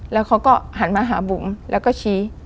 แล้วเขาก็หันมาหาบุ๋มแล้วก็ชี้